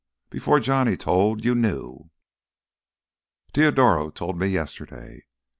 before Johnny told ... you knew...." "Teodoro told me—yesterday."